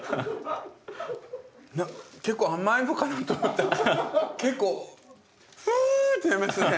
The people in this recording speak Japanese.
結構甘いのかなと思ったら結構「フーッ！」ってなりますね。